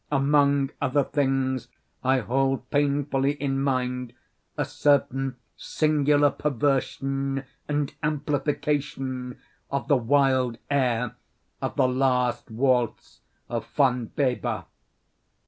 Among other things, I hold painfully in mind a certain singular perversion and amplification of the wild air of the last waltz of Von Weber.